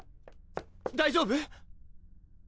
大丈夫？